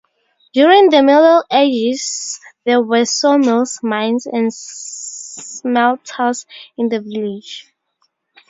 During the Middle Ages there were sawmills, mines and smelters in the village.